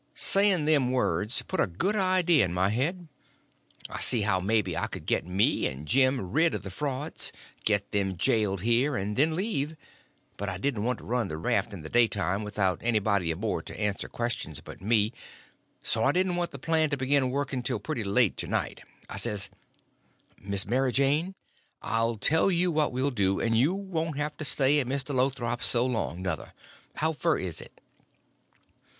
Saying them words put a good idea in my head. I see how maybe I could get me and Jim rid of the frauds; get them jailed here, and then leave. But I didn't want to run the raft in the daytime without anybody aboard to answer questions but me; so I didn't want the plan to begin working till pretty late to night. I says: "Miss Mary Jane, I'll tell you what we'll do, and you won't have to stay at Mr. Lothrop's so long, nuther. How fur is it?"